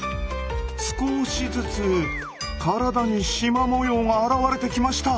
少しずつ体にしま模様が現れてきました。